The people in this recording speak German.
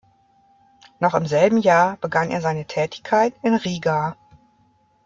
Noch im selben Jahr begann er seine Tätigkeit in Riga.